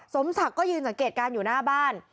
สมศักดิ์ก็ยืนสังเกตการณ์อยู่หน้าบ้าน